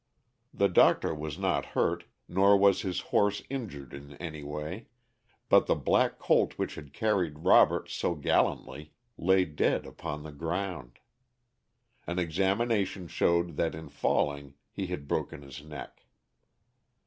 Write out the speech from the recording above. The Doctor was not hurt, nor was his horse injured in any way, but the black colt which had carried Robert so gallantly lay dead upon the ground. An examination showed that in falling he had broken his neck.